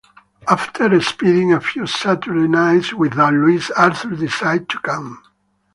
After spending a few Saturday nights without Louis, Arthur decided to come.